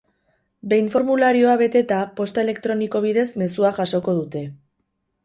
Behin formularioa beteta, posta elektroniko bidez, mezua jasoko dute.